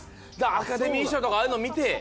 アカデミー賞とかああいうの見て。